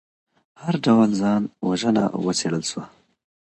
هر ډول ځان وژنه وڅیړل سوه.